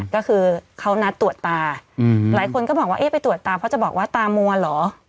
ก็คือเขานัดตรวจตาหลายคนก็บอกว่าเอ๊ะไปตรวจตาเพราะจะบอกว่าตามัวเหรอ